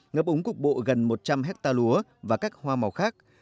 ngập úng cục bộ gần một trăm linh hectare lúa và các hoa màu khác